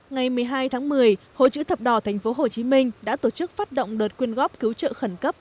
ngày một mươi hai tháng một mươi hội chữ thập đỏ tp hcm đã tổ chức phát động đợt quyên góp cứu trợ khẩn cấp